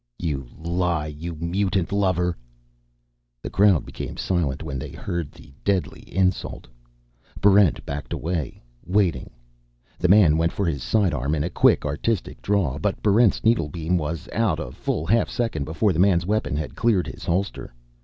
"You lie, you mutant lover." The crowd became silent when they heard the deadly insult. Barrent backed away, waiting. The man went for his sidearm in a quick, artistic draw. But Barrent's needlebeam was out a full half second before the man's weapon had cleared his holster.